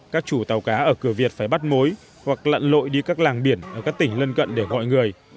các chủ tàu cá ở cửa việt phải bắt mối hoặc lặn lội đi các làng biển ở các tỉnh lân cận để gọi người